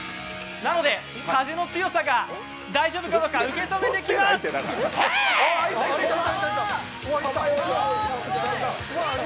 なので、風の強さが大丈夫なのか、受け止めてきます、ハイ！